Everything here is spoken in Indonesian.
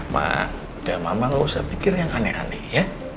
mak udah mama gak usah pikir yang aneh aneh ya